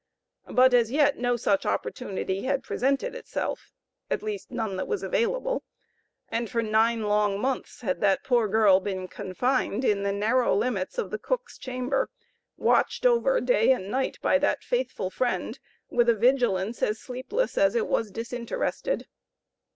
But, as yet, no such opportunity had presented itself; at least none that was available, and for nine long months had that poor girl been confined in the narrow limits of the cook's chamber, watched over day and night by that faithful friend with a vigilance as sleepless as it was disinterested.